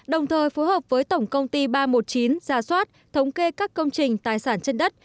đồng thời phối hợp với tổng công ty ba trăm một mươi chín ra soát thống kê các công trình tài sản trên đất